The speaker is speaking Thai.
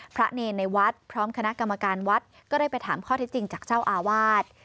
เนรในวัดพร้อมคณะกรรมการวัดก็ได้ไปถามข้อเท็จจริงจากเจ้าอาวาส